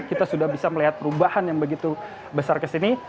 kita sudah bisa melihat perubahan yang begitu besar kesini